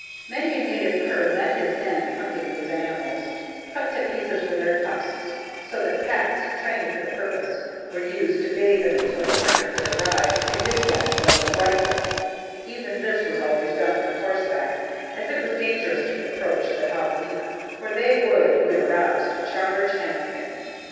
Many a native cur met his end hunting these animals, cut to pieces with their tusks, so that packs, trained for the purpose, were used to bay them until the hunter could arrive and dispatch them with a rifle. Even this was always done from horseback, as it was dangerous to approach the javeline, for they would, when aroused, charge anything.